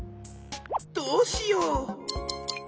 どうしよう？